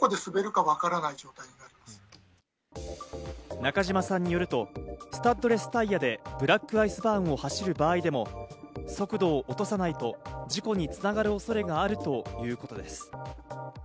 中島さんによると、スタッドレスタイヤでブラックアイスバーンを走る場合でも速度を落とさないと事故に繋がる恐れがあるということです。